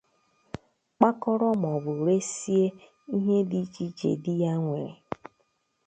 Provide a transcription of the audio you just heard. kpakọrọ maọbụ resie ihe dị iche iche di ya nwere